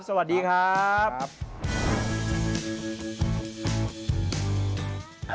สวัสดีครับสวัสดีครับสวัสดีครับสวัสดีครับ